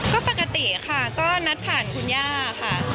ก็ปกติค่ะก็นัดผ่านคุณย่าค่ะ